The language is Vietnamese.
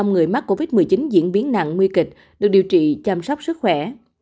một trăm linh người mắc covid một mươi chín diễn biến nặng nguy kịch được điều trị chăm sóc sức khỏe